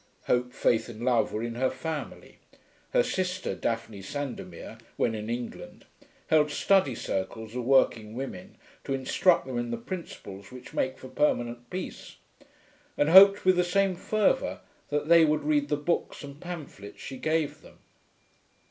(Hope, faith, and love were in her family. Her sister, Daphne Sandomir, when in England, held study circles of working women to instruct them in the principles which make for permanent peace, and hoped with the same fervour that they would read the books and pamphlets she gave them.)